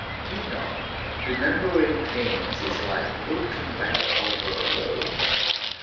You know remembering things is like looking back over a road.